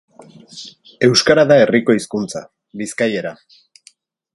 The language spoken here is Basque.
Euskara da herriko hizkuntza, bizkaiera.